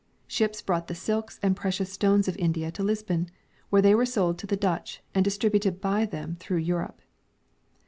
Ships brought the silks and precious stones of India to Lisbon, Avhere they were sold to the Dutch and distributed by them through Europe.